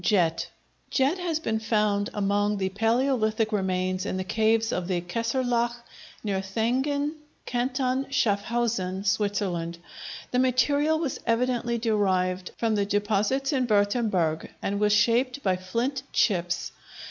Jet Jet has been found among the palæolithic remains in the caves of the "Kesslerloch," near Thayngen, Canton Schaffhausen, Switzerland. The material was evidently derived from the deposits in Würtemberg and was shaped by flint chips.